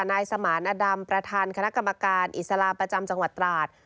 นายสมานอดำประธานคณะกรรมการอิสลามประจำจังหวัดตราด